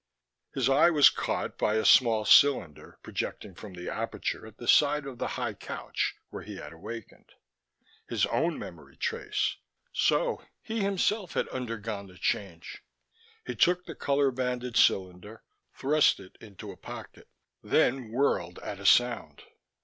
His eyes was caught by a small cylinder projecting from the aperture at the side of the high couch where he had awakened his own memory trace! So he himself had undergone the Change. He took the color banded cylinder, thrust it into a pocket then whirled at a sound.